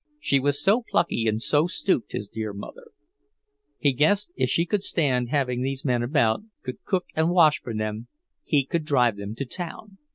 She was so plucky and so stooped, his dear mother! He guessed if she could stand having these men about, could cook and wash for them, he could drive them to town!